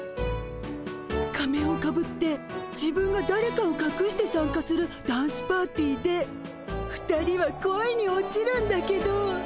仮面をかぶって自分がだれかをかくして参加するダンスパーティーで２人は恋に落ちるんだけど。